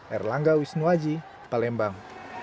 erlangga wisnuwaji palembang